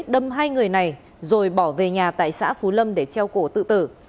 đâm hai người này rồi bỏ về nhà tại xã phú lâm để treo cổ tự tử